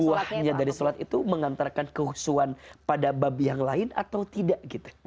buahnya dari sholat itu mengantarkan kehusuan pada babi yang lain atau tidak